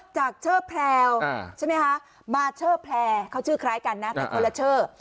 จากเชอแพลวมาเชอแพลเขาชื่อคล้ายกันนะแต่คนละเชอ